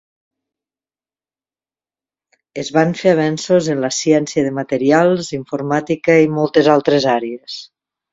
Es van fer avenços en la ciència de materials, informàtica i moltes altres àrees.